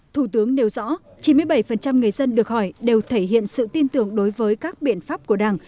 thủ tướng nêu rõ chín mươi bảy người dân được hỏi đều thể hiện sự tin tưởng đối với các biện pháp của đảng